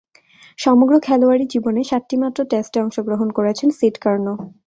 সমগ্র খেলোয়াড়ী জীবনে সাতটিমাত্র টেস্টে অংশগ্রহণ করেছেন সিড কার্নো।